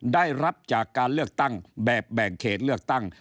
ได้รับจากการเลือกตั้งแบบแบ่งเขตเลือกตั้ง